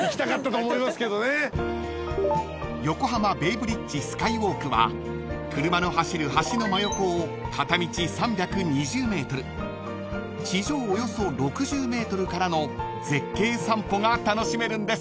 ［横浜ベイブリッジスカイウォークは車の走る橋の真横を片道３２０ｍ地上およそ６０ｍからの絶景散歩が楽しめるんです］